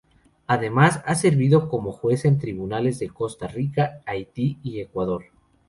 Además, ha servido como jueza en tribunales de Costa Rica, Haití y Ecuador.